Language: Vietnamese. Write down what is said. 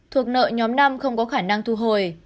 thuộc nợ nhóm năm không có khả năng thu hồi